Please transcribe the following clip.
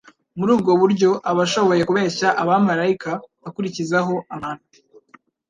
Muri ubwo buryo aba ashoboye kubeshya abamalayika, akurikizaho abantu.